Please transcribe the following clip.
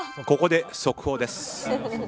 ここで速報です。